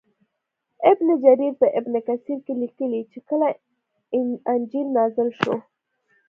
ابن جریر په ابن کثیر کې لیکلي چې کله انجیل نازل شو.